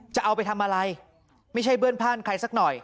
จะเอาไปทำอะไร